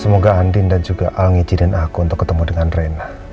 semoga andi dan juga al ngijinin aku untuk ketemu dengan rena